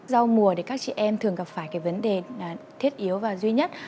do mùa thì các chị em thường gặp phải cái vấn đề thiết yếu và duy nhất